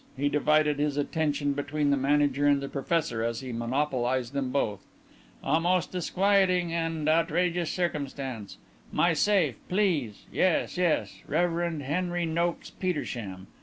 He divided his attention between the manager and the professor as he monopolized them both. "A most disquieting and and outrageous circumstance. My safe, please yes, yes, Rev. Henry Noakes Petersham.